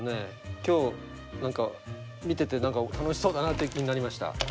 今日見てて何か楽しそうだなっていう気になりました。